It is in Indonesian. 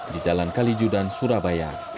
di jalan kalijudan surabaya